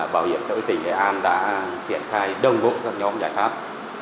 bảo hiểm xã hội tỉnh nghệ an đã triển khai đồng bộ các nhóm giải pháp